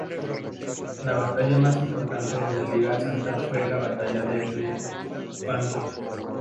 La batalla más importante de la Liga Santa fue la batalla de Lepanto.